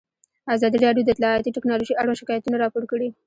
ازادي راډیو د اطلاعاتی تکنالوژي اړوند شکایتونه راپور کړي.